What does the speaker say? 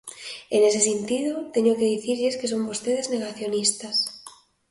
E, nese sentido, teño que dicirlles que son vostedes negacionistas.